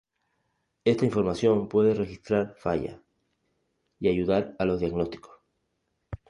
Esta información puede registrar fallas y ayudar a los diagnósticos.